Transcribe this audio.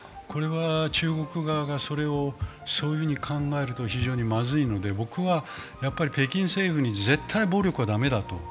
中国側が、それをそういうふうに考えると非常にまずいので僕は北京政府に絶対暴力は駄目だと。